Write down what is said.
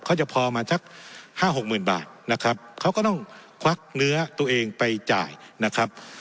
เขาจะพอมาจาก๕๖๐๐๐๐บาทนะครับเขาก็ต้องควักเนื้อตัวเองไปจ่ายนะครับ